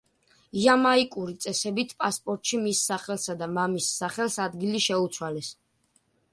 იამაიკური წესებით პასპორტში მის სახელსა და მამის სახელს ადგილი შეუცვალეს.